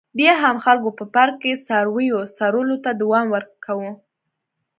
بیا هم خلکو په پارک کې څارویو څرولو ته دوام ورکاوه.